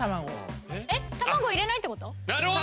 なるほど！